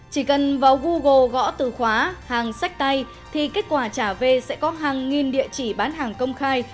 chỉ cần vào google gõ từ khóa hàng sách tay thì kết quả trả về sẽ có hàng nghìn địa chỉ bán hàng công khai